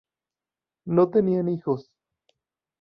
No tenían hijos.